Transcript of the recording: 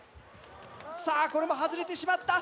さぁこれも外れてしまった。